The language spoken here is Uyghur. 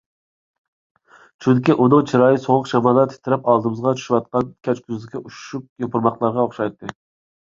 چۈنكى، ئۇنىڭ چىرايى سوغۇق شامالدا تىترەپ ئالدىمىزغا چۈشۈۋاتقان كەچكۈزدىكى ئۈششۈك يوپۇرماقلارغا ئوخشايتتى.